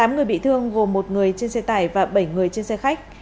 tám người bị thương gồm một người trên xe tải và bảy người trên xe khách